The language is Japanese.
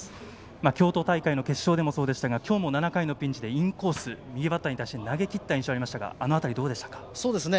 京都大会の決勝でもそうでしたがきょうも７回のピンチでインコース投げきった印象ありましたがあの辺りいかがですかね？